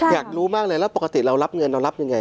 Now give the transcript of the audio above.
อยากรู้มากเลยแล้วปกติเรารับเงินเรารับยังไง